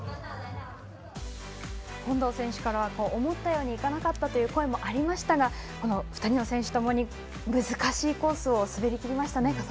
本堂選手から思ったように行かなかったという声もありましたが、２人の選手ともに難しいコースを滑りきりましたね